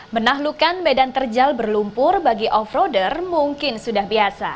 menahlukan medan terjal berlumpur bagi offroader mungkin sudah biasa